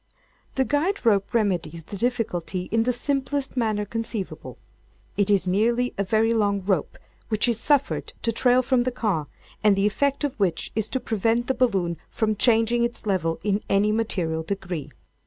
"The guide rope remedies the difficulty in the simplest manner conceivable. It is merely a very long rope which is suffered to trail from the car, and the effect of which is to prevent the balloon from changing its level in any material degree.